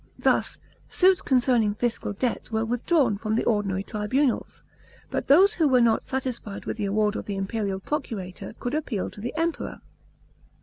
Thus, suits concerning fiscal debts were withdrawn from the ordinary tribunals ; but those who were not satisfied with the award of the imperial procurator could appeal to the Emperor.